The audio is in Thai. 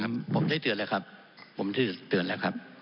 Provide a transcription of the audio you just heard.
ผมได้เตือนแล้วครับผมได้เตือนแล้วครับ